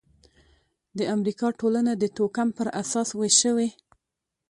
د امریکا ټولنه د توکم پر اساس وېش شوې.